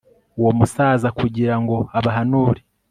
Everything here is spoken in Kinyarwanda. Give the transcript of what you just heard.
uwo musaza kugira ngo abahanure